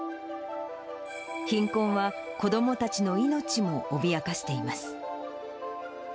貧困は子どもたちの命も脅かしています。